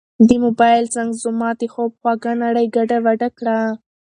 د موبایل زنګ زما د خوب خوږه نړۍ ګډوډه کړه.